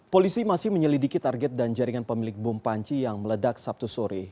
polisi masih menyelidiki target dan jaringan pemilik bom panci yang meledak sabtu sore